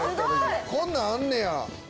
こんなんあんねや。